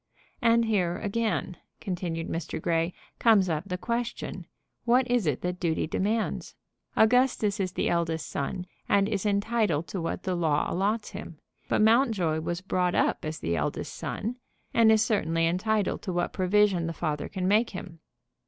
"And here, again," continued Mr. Grey, "comes up the question, what is it that duty demands? Augustus is the eldest son, and is entitled to what the law allots him; but Mountjoy was brought up as the eldest son, and is certainly entitled to what provision the father can make him."